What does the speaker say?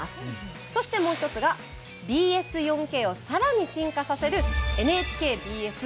そしてもう１つがＢＳ４Ｋをさらに進化させるＮＨＫＢＳ